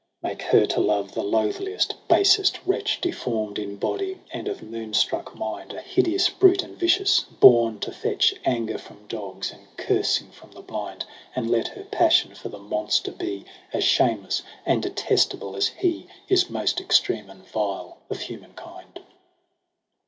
' Make her to love the loathliest, basest wretch, Defbrm'd in body, and of moonstruck mind, A hideous brute and vicious, born to fetch Anger from dogs and cursing from the blind. And let her passion for the monster be As shameless and detestable as he Is most extreme and vile of humankind.'